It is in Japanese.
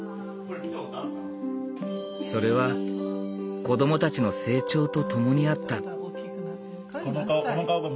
それは子供たちの成長とともにあった。